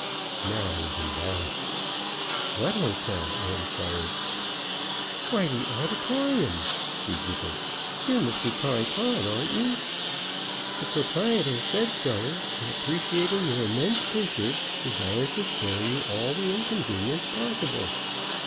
Now I was embarrassed. "What hotel?" I inquired. "Why, the Auditorium!" she giggled. "You're Mr. Pye Pod, aren't you? The proprietor said so, and appreciating your immense purchase, desired to spare you all the inconvenience possible."